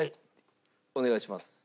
お願いします。